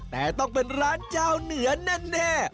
แต่ต้องเป็นร้านเจ้าเหนือแน่